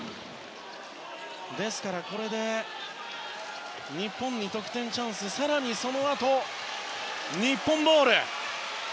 ですからこれで日本に得点チャンス更にそのあと日本ボール。